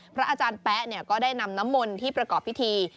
พระอาจารย์แป๊ะก็ได้นำน้ำมนต์ที่ประกอบพิธี